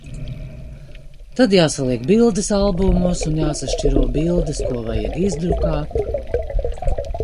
Tad jāsaliek bildes albumos un jāsašķiro bildes, ko vajag izdrukāt.